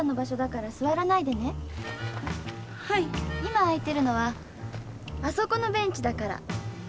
今空いてるのはあそこのベンチだから。